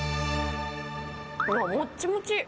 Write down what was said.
あ、もっちもち。